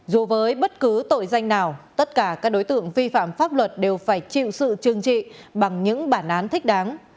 dù với bất cứ tội danh nào tất cả các đối tượng vi phạm pháp luật đều phải chịu sự trừng trị bằng những bản án thích đáng